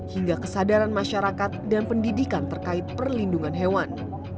hingga kesadaran masyarakat dan pendidikan terkait perlindungan hewan